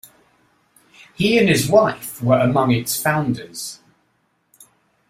He and his wife were among its founders.